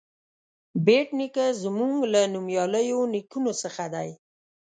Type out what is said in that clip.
بېټ نیکه زموږ له نومیالیو نیکونو څخه دی.